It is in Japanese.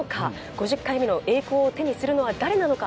５０回目の栄光を手にするのは誰なのか。